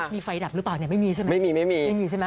มีไฟดับหรือเปล่าไม่มีใช่มั้ย